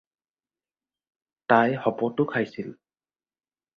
তাই শপতো খাইছিল